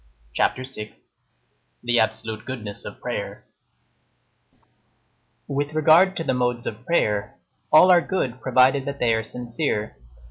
CHAPTER VI—THE ABSOLUTE GOODNESS OF PRAYER With regard to the modes of prayer, all are good, provided that they are sincere.